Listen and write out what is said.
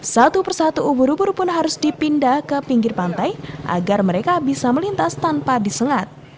satu persatu ubur ubur pun harus dipindah ke pinggir pantai agar mereka bisa melintas tanpa disengat